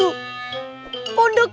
ya kan bangudihak